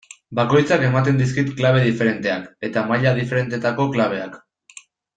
Bakoitzak ematen dizkit klabe diferenteak, eta maila diferentetako klabeak.